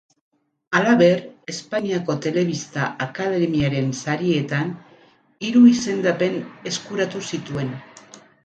Halaber, Espainiako Telebista Akademiaren sarietan hiru izendapen eskuratu zituen.